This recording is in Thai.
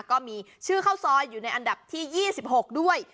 ก็มีชื่อข้าวซอยอยู่ในอันดับที่๒๖ด้วย